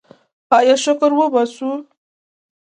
آیا شکر وباسو؟